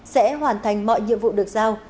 sẽ hoàn thành mọi nhiệm vụ được giao